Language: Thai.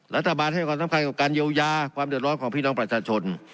รัฐบาลให้ความสำคัญกับการเยียวยาความเดือดร้อนของพี่น้องประชาชน